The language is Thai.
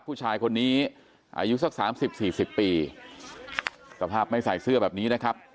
ผู้ชายคนนี้อายุสักสามสิบสี่สิบปีสภาพไม่ใส่เสื้อแบบนี้นะครับ